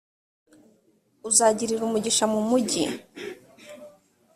uzagirira umugisha mu mugi,